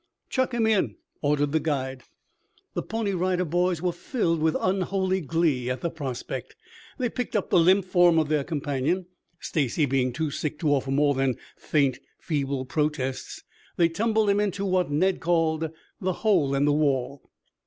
"Chuck him in," ordered the guide. The Pony Rider Boys were filled with unholy glee at the prospect. They picked up the limp form of their companion, Stacy being too sick to offer more than faint, feeble protests. They tumbled him into what Ned called "The Hole In The Wall."